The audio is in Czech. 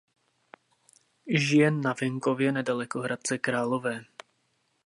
Žije na venkově nedaleko Hradce Králové.